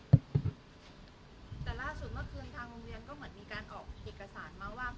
แต่ล่าสุดเมื่อคืนทางโรงเรียนก็เหมือนมีการออกเอกสารมาว่า